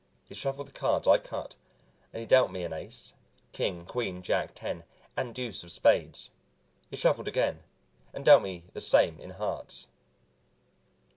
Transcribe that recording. He shuffled the cards, I cut, and he dealt me an ace, king, queen, jack, ten and deuce of spades. He shuffled again and dealt me the same in hearts.